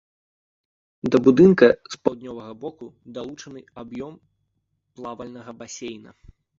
Да будынка з паўднёвага боку далучаны аб'ём плавальнага басейна.